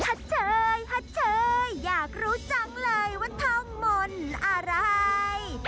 เชยฮัดเชยอยากรู้จังเลยว่าท่องมนต์อะไร